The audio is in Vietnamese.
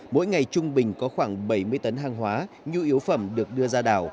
mỗi ngày trung bình có khoảng bảy mươi tấn hàng hóa nhu yếu phẩm được đưa ra đảo